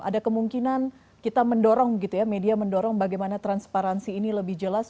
ada kemungkinan kita mendorong gitu ya media mendorong bagaimana transparansi ini lebih jelas